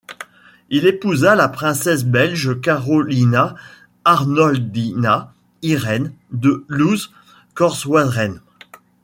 Il épousa la princesse belge Carolina Arnoldina Irene de Looz-Corswarem.